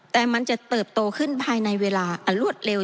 แต่มันจะเติบโตขึ้นภายในเวลาอันรวดเร็ว